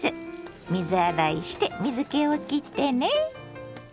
水洗いして水けをきってね。